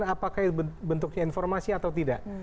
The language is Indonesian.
apakah itu bentuknya informasi atau tidak